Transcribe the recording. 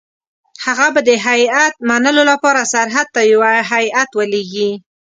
هغه به د هیات منلو لپاره سرحد ته یو هیات ولېږي.